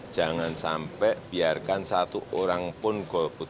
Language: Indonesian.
jangan sampai biarkan satu orang pun golput